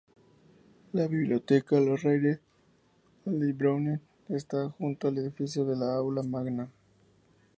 La biblioteca Lorraine Hanley-Browne esta a la junto al edificio de la Aula Magna.